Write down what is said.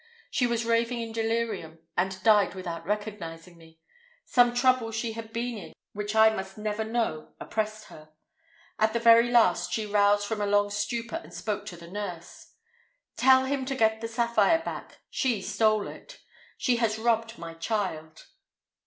She was raving in delirium, and died without recognizing me. Some trouble she had been in which I must never know oppressed her. At the very last she roused from a long stupor and spoke to the nurse. 'Tell him to get the sapphire back—she stole it. She has robbed my child.'